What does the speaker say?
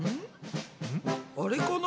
あれかな？